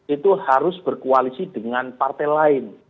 itu harus berkoalisi dengan partai lain